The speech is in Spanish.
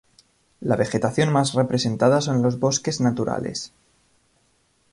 La vegetación más representada son los bosques naturales.